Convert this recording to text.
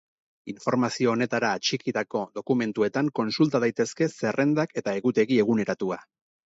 Informazio honetara atxikitako dokumentuetan kontsulta daitezke zerrendak eta egutegi eguneratua.